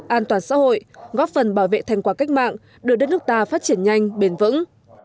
an toàn xã hội góp phần bảo vệ thành quả cách mạng đưa đất nước ta phát triển nhanh bền vững